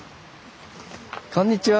こんにちは。